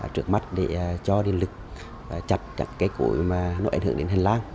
trước mắt để cho điện lực chặt cây củi mà nó ảnh hưởng đến hình làng